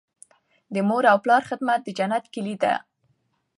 د مور او پلار خدمت د جنت کیلي ده.